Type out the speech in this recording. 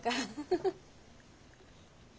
フフフフ。